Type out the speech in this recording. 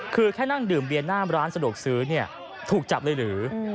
คือแค่นั่งดื่มเบียนหน้าร้านสะดวกซื้อเนี่ยถูกจับเลยหรือ